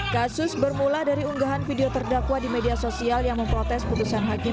kasus bermula dari unggahan video terdakwa di media sosial yang memprotes putusan hakim